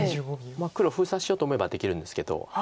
黒封鎖しようと思えばできるんですけど。